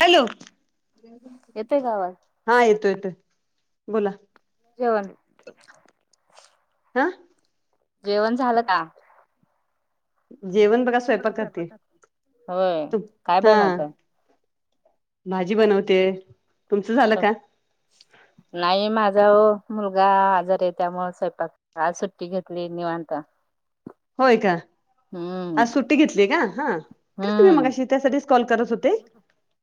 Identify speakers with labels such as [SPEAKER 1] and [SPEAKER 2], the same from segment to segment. [SPEAKER 1] Hello
[SPEAKER 2] येतोय का आवाज
[SPEAKER 1] हा येतो येतोय बोला.
[SPEAKER 2] जेवण.
[SPEAKER 1] हा.
[SPEAKER 2] जेवण झालं का.
[SPEAKER 1] जेवण बघा स्वयंपाक करते
[SPEAKER 2] होय
[SPEAKER 1] तू
[SPEAKER 2] काय
[SPEAKER 1] हा.
[SPEAKER 2] बनवताय?
[SPEAKER 1] भाजी बनवते. तुमचं झालं का?
[SPEAKER 2] नाही माझा मुलगा आजार आहे त्यामुळे स्वयंपाक काज सुट्टी घेतली निवांता.
[SPEAKER 1] होय का. आज सुट्टी घेतलीय का हा तेचमही
[SPEAKER 2] हम्म
[SPEAKER 1] मगाशी त्यासाठी कॉल करत होते.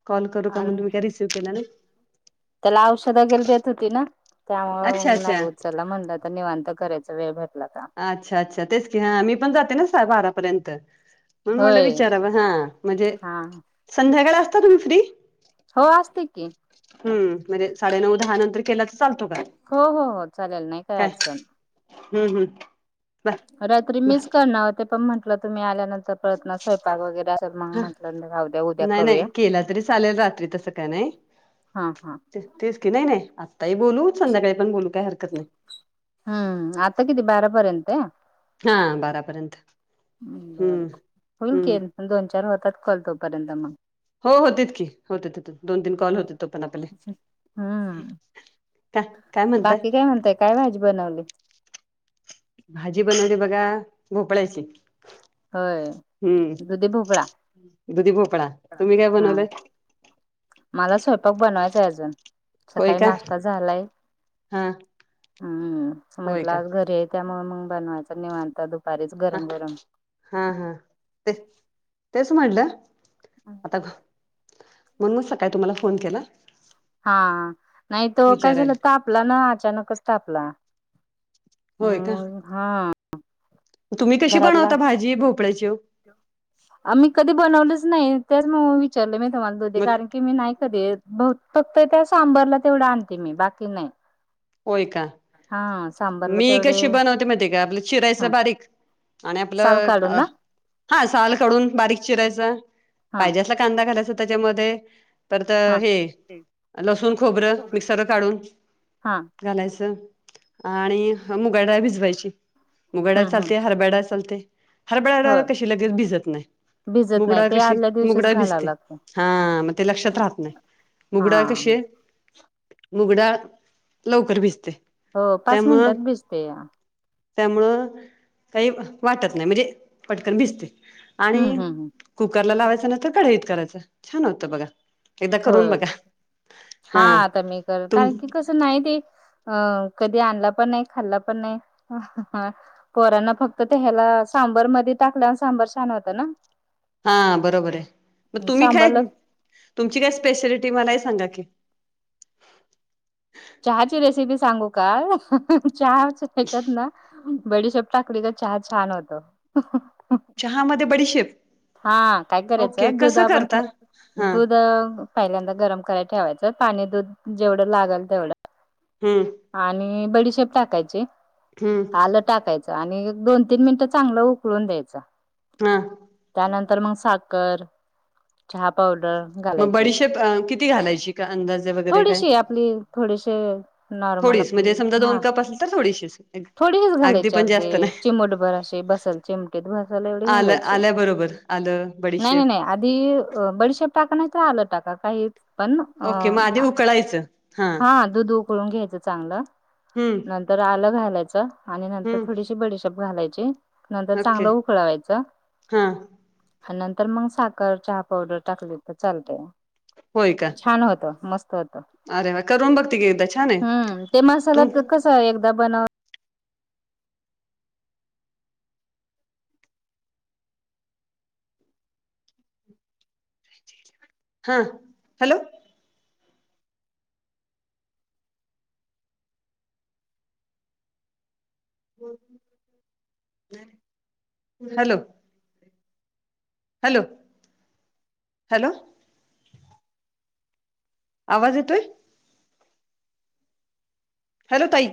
[SPEAKER 1] कॉल करू का म्हण
[SPEAKER 2] आणि
[SPEAKER 1] तुम्ही काय रिसीव्ह केला ना.
[SPEAKER 2] त्याला औषध वगैरे देत होती ना
[SPEAKER 1] अच्छा
[SPEAKER 2] त्यामुळ नाही
[SPEAKER 1] अच्छा
[SPEAKER 2] होत त्याला म्हणलं तर निवांत करायचा वेळ भेटला का?
[SPEAKER 1] अच्छा अच्छा तेच की हा मी पण जाते ना बारापर्यंत. म्हण म्हटलं
[SPEAKER 2] होय
[SPEAKER 1] विचारावं हा म्हणजे
[SPEAKER 2] हा
[SPEAKER 1] संध्याकाळी असता तुम्ही फ्री.
[SPEAKER 2] हो असते की
[SPEAKER 1] हम्म म्हणजे साडे नऊ दहा नंतर केला तर चालतो काय.
[SPEAKER 2] हो हो हो चालेल नाही काय अडचण
[SPEAKER 1] हम्म हम्म. बर
[SPEAKER 2] रात्री मिस
[SPEAKER 1] बर
[SPEAKER 2] करणार होते पण म्हटलं तुम्ही आल्यानंतर प्रळना स्वय वगैरे असल मग
[SPEAKER 1] हा
[SPEAKER 2] म्हटलं जाऊद्या उद्या
[SPEAKER 1] नाही नाही
[SPEAKER 2] करूया.
[SPEAKER 1] केला तरी चालेल रात्री तसं काय नाही
[SPEAKER 2] हा हा.
[SPEAKER 1] तेच की नाही आत्ताही बोलू संध्याकाळी पण बोलू काय हारं
[SPEAKER 2] हम्म! आता किती बारापर्यंत.
[SPEAKER 1] हा बारापर्यंत.
[SPEAKER 2] बरर
[SPEAKER 1] हम्म
[SPEAKER 2] फल
[SPEAKER 1] हम्म
[SPEAKER 2] केन दोन चार होतात कॉल तोपर्यंत मग
[SPEAKER 1] हो होतीत की होते दोन तीन कॉल
[SPEAKER 2] हम्म
[SPEAKER 1] होते तो पण आपले
[SPEAKER 2] हम्म.
[SPEAKER 1] का काय म्हणतय
[SPEAKER 2] बाकी काय म्हणताय काय भाजी बनवली
[SPEAKER 1] भाजी बनवली बघा भोपळ्याची
[SPEAKER 2] होय
[SPEAKER 1] हम्म
[SPEAKER 2] दुधी भोपळा
[SPEAKER 1] दुधी भोपळा तुम्ही काय
[SPEAKER 2] हा
[SPEAKER 1] बनवलंय
[SPEAKER 2] मला स्वयंपाक बनवायचा आहे अजून
[SPEAKER 1] होय
[SPEAKER 2] सकाळी
[SPEAKER 1] का
[SPEAKER 2] नाश्ता झालाय
[SPEAKER 1] हा
[SPEAKER 2] हम्म
[SPEAKER 1] होय
[SPEAKER 2] म्हंटलं
[SPEAKER 1] का
[SPEAKER 2] आज घरी आहे त्यामुळे मग बनवायच निवांता दुपारीच
[SPEAKER 1] हा
[SPEAKER 2] गरम गरम
[SPEAKER 1] हा हा ते तेच म्हटलं आता म्हण मग सकाळी तुम्हाला फोन केला
[SPEAKER 2] हा नाही त काय
[SPEAKER 1] विचारायला
[SPEAKER 2] झालं तापला ना अचानकच तापला.
[SPEAKER 1] होय का.
[SPEAKER 2] हम्म हा.
[SPEAKER 1] तुम्ही कशी
[SPEAKER 2] घरातला
[SPEAKER 1] बनवता भाजी भोपळ्याची?
[SPEAKER 2] मी कधी बनवलच नाही त्याच विचारलं मी तुम्हाला दोधे
[SPEAKER 1] मग
[SPEAKER 2] कारण. की मी नाही कधी फक्त त्या सांबरला तेवढं आणते मी बाकी नाही.
[SPEAKER 1] होय का
[SPEAKER 2] हा सम
[SPEAKER 1] मी कशी बनवते मते का आपलं चिरायच
[SPEAKER 2] हा
[SPEAKER 1] बारीक आणि
[SPEAKER 2] साल
[SPEAKER 1] आपलं
[SPEAKER 2] काढून
[SPEAKER 1] अ
[SPEAKER 2] ना
[SPEAKER 1] हा साल काढून बारीक चिरायचा
[SPEAKER 2] हा
[SPEAKER 1] पाहिजे असला कांदा घालायचा त्याच्यामध्ये परत
[SPEAKER 2] हा
[SPEAKER 1] हे लसूण खोबरं मिक्सरवर काढून
[SPEAKER 2] हा
[SPEAKER 1] घालायचं आणि मुगाडा भिजवायची मुगाडा
[SPEAKER 2] हम्म हम्म
[SPEAKER 1] चालते हरभ्याडा चालते हरबळा
[SPEAKER 2] हो
[SPEAKER 1] हर कशी लगेच भिजत नाही
[SPEAKER 2] भिजत
[SPEAKER 1] मुगडा
[SPEAKER 2] नाही ते
[SPEAKER 1] कशी
[SPEAKER 2] आदल्या दिवशीच
[SPEAKER 1] मुगडा
[SPEAKER 2] घालावं
[SPEAKER 1] भिजते
[SPEAKER 2] लागतं
[SPEAKER 1] हा मग ते लक्षात राहत नाही मुगडा
[SPEAKER 2] हा
[SPEAKER 1] कसे मुगडा लवकर भिजते
[SPEAKER 2] हो पाच
[SPEAKER 1] त्यामुळं
[SPEAKER 2] मिनिटात भेजते या
[SPEAKER 1] त्यामुळं काही वाटत नाही म्हणजे पटकन भिजते आणि
[SPEAKER 2] हम्म हम्म
[SPEAKER 1] कुकर लावायचं न तरर कढईत करायचं छान होतं बघा एकदा
[SPEAKER 2] हो
[SPEAKER 1] करून बघा
[SPEAKER 2] हा आता मी कर
[SPEAKER 1] तुम
[SPEAKER 2] कारण की कसं नाही ते अं कधी आणला पण नाही खाल्ला पण नाही कोोरांना फक्त त्या ह्याला सांबर मध्ये टाकल्यान सांबर छान होतं ना
[SPEAKER 1] हा बरोबर आहे मग तुम्ही काय
[SPEAKER 2] सांबरला
[SPEAKER 1] तुमची काय स्पेशलिटी मलाही सांगा की
[SPEAKER 2] चहाची रेसिपी सांगू का चहा ह्याच्यात ना बडीशप टकरीचा चहा छान होत
[SPEAKER 1] चहा म बडीशिप
[SPEAKER 2] हा काय करायचं दूध आपण
[SPEAKER 1] हा
[SPEAKER 2] दुध पहिल्यांदा गरम करायला ठेवायचं पाणी दूध जेवढं लागेल तेवढं
[SPEAKER 1] हम्म
[SPEAKER 2] आणि बडीशेप टाकायची
[SPEAKER 1] हम्म
[SPEAKER 2] आलं टाकायची आणि एक दोन तीन मिनिटं चांगलं उकळून द्यायचं
[SPEAKER 1] हा
[SPEAKER 2] त्यानंतर मग साखर चहा पावडर
[SPEAKER 1] मग
[SPEAKER 2] घालायची
[SPEAKER 1] बडीशेप किती घालायची का अंदाज
[SPEAKER 2] थोडीशी आपली थोडीशी नॉर्मल आपली हा
[SPEAKER 1] ल तर थोडीशी अस
[SPEAKER 2] थोडेच घालायचे अगदी चिमटभर असे बसल चिम सायला एवढे
[SPEAKER 1] आलं
[SPEAKER 2] घालायचे
[SPEAKER 1] आल्याबरोबर आलं
[SPEAKER 2] नाही
[SPEAKER 1] बडीशेप
[SPEAKER 2] नाही नाही आधी बडशाप टाक नाही तर आलं टाका काही पण
[SPEAKER 1] ओके मग आधी
[SPEAKER 2] अ
[SPEAKER 1] उकळायचं
[SPEAKER 2] हा दूध उकळून घ्यायचं चांगलं
[SPEAKER 1] हम्म.
[SPEAKER 2] नंतर आलं घालायचं आणि नंतर
[SPEAKER 1] हम्म
[SPEAKER 2] थोडीशी बडीशाप घालायची नंतर
[SPEAKER 1] ओके
[SPEAKER 2] चांगलं उकळवायचं.
[SPEAKER 1] हा
[SPEAKER 2] आणि नंतर मग साखर चहा पावडर टाकली तर चालतया.
[SPEAKER 1] होय का?
[SPEAKER 2] छान होतं मस्त होतं.
[SPEAKER 1] अरे वा! करून बघती की एकदा छानय, तु
[SPEAKER 2] अ एकदा बन
[SPEAKER 1] हा, हॅलो! हॅलो! हॅलो! हॅलो! आवाज येतोय? हॅलो ताई!